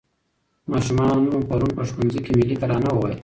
ماشومانو پرون په ښوونځي کې ملي ترانه وویله.